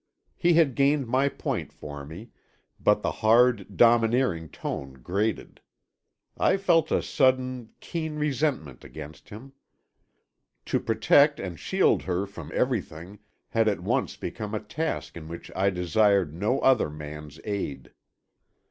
He had gained my point for me, but the hard, domineering tone grated. I felt a sudden, keen resentment against him. To protect and shield her from everything had at once become a task in which I desired no other man's aid.